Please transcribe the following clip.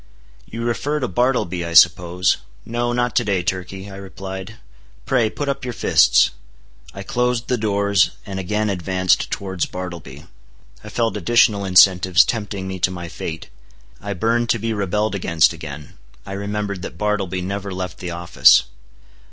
"You refer to Bartleby, I suppose. No, not to day, Turkey," I replied; "pray, put up your fists." I closed the doors, and again advanced towards Bartleby. I felt additional incentives tempting me to my fate. I burned to be rebelled against again. I remembered that Bartleby never left the office.